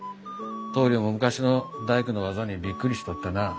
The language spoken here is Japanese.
棟りょうも昔の大工の技にびっくりしとったなあ。